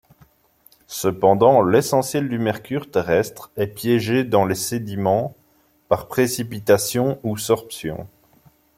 Cependant, l’essentiel du mercure terrestre est piégé dans les sédiments par précipitation ou sorption.